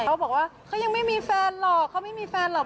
เขาบอกว่าเขายังไม่มีแฟนหรอกเขาไม่มีแฟนหรอก